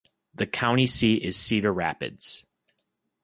The county seat is Cedar Rapids.